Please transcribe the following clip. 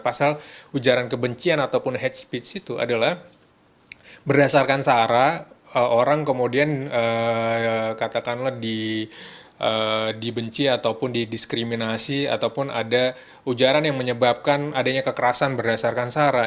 pasal ujaran kebencian ataupun hate speech itu adalah berdasarkan sara orang kemudian katakanlah dibenci ataupun didiskriminasi ataupun ada ujaran yang menyebabkan adanya kekerasan berdasarkan sara